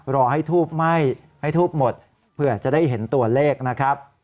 รอให้ทูบไหม้ให้ทูบหมดเผื่อจะได้เห็นตัวเลขนะครับ